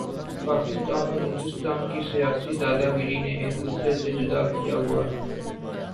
پاکستان اور ہندوستان کی سیاسی دادا گری نے ایک دوسرے سے جدا کیا ہوا ہے